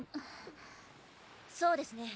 そうですね。